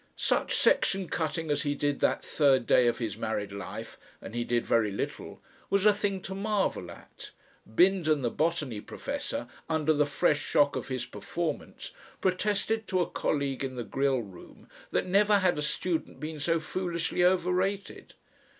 Such section cutting as he did that third day of his married life and he did very little was a thing to marvel at. Bindon, the botany professor, under the fresh shock of his performance, protested to a colleague in the grill room that never had a student been so foolishly overrated.